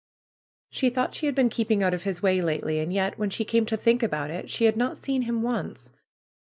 She thought she had been keeping out of his way lately. And yet, when she came to think about it she had not seen him once.